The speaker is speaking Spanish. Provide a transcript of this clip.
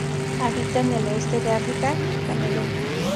Habita en el oeste de África, Camerún.